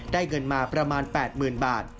ได้เงินมาประมาณ๘หมื่นบาท